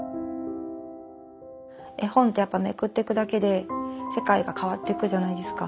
絵本ってやっぱめくっていくだけで世界が変わっていくじゃないですか。